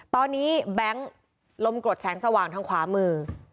ตอนนี้แบงค์ลมกรดแสงสว่างทางขวามือ